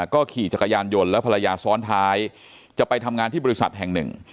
ก็ขี่จักรยานยนต์แล้วภรรยาซ้อนท้ายจะไปทำงานที่บริษัทแห่งหนึ่ง